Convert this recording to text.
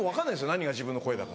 何が自分の声だか。